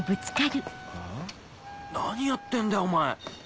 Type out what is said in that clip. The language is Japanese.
何やってんだよお前。